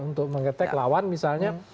untuk mengetek lawan misalnya